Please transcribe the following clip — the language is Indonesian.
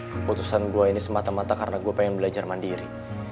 keputusan gue ini semata mata karena gue pengen belajar mandiri